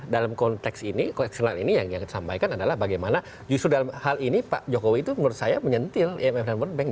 dalam konteks ini konteks internal ini yang kita sampaikan adalah bagaimana justru dalam hal ini pak jokowi itu menurut saya menyentil imf dan world bank